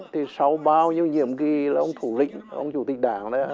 thì sau bao nhiêu nhiệm kỳ là ông thủ lĩnh ông chủ tịch đảng